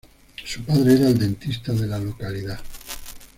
Su padre era el dentista de la localidad.